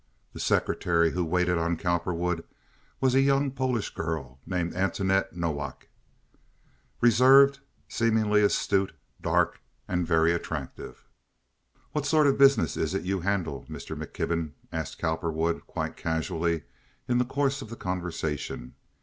The secretary who waited on Cowperwood was a young Polish girl named Antoinette Nowak, reserved, seemingly astute, dark, and very attractive. "What sort of business is it you handle, Mr. McKibben?" asked Cowperwood, quite casually, in the course of the conversation.